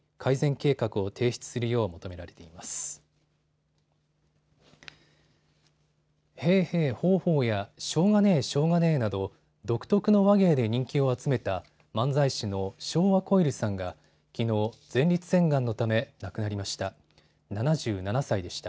「ヘーヘーホーホー」や「しょうがねぇ、しょうがねぇ」など独特の話芸で人気を集めた漫才師の昭和こいるさんがきのう、前立腺がんのため亡くなりました。